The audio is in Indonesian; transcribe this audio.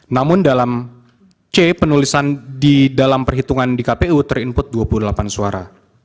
namun dalam c penulisan di dalam perhitungan di kpu ter input dua puluh delapan suara